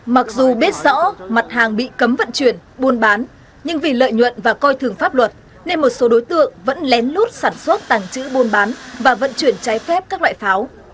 mặc dù biết rõ mặt hàng bị cấm vận chuyển buôn bán nhưng vì lợi nhuận và coi thường pháp luật nên một số đối tượng vẫn lén lút sản xuất tàng trữ buôn bán và vận chuyển trái phép các loại pháo